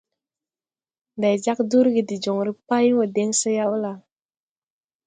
Ndày jāg durgi de joŋre pay wo den so yaw la?